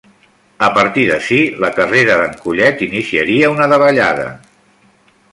A partir d'ací, la carrera d'en Collet iniciaria una davallada.